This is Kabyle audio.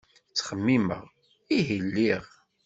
Ttxemmimeɣ, ihi lliɣ.